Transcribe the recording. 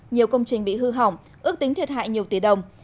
nhiều công trình bị hư hỏng ước tính thiệt hại nhiều tỷ đồng